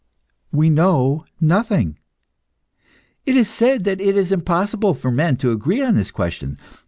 We know nothing. It is said that it is impossible for men to agree on this question.